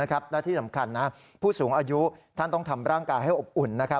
และที่สำคัญผู้สูงอายุท่านต้องทำร่างกายให้อบอุ่น